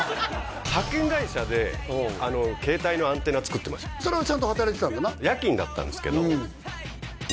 派遣会社で携帯のアンテナ作ってましたそれはちゃんと働いてたんだな？